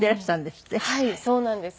はいそうなんです。